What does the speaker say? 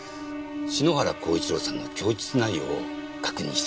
篠原功一郎さんの供述内容を確認したくて。